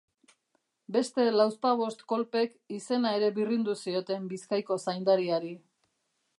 Beste lauzpabost kolpek izena ere birrindu zioten Bizkaiko zaindariari.